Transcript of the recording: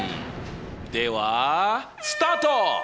ではスタート！